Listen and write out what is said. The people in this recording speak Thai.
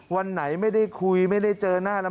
วันไหนไม่ได้คุยไม่ได้เจอหน้าแล้ว